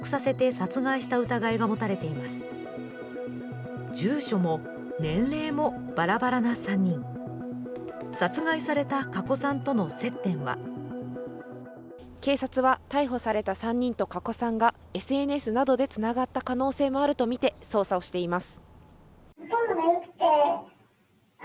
殺害された加古さんとの接点は警察は逮捕された３人と加古さんがＳＮＳなどでつながった可能性もあるとみて捜査しています。